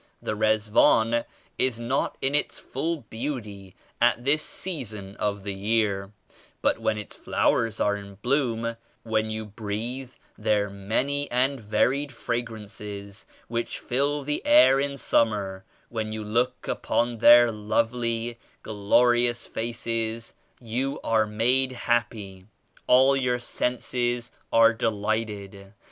The Rizwan is not in its full beauty at this season of the year, but when its flowers are in bloom; when you breathe their many and varied fragrances which fill the air in summer; when you look upon their lovely, glorious faces, — you are made happy, — all your senses are delighted.